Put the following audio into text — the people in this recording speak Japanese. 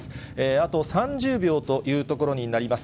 あと３０秒というところになります。